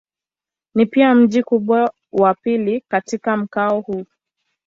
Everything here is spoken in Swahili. Ni pia mji mkubwa wa pili katika mkoa huu.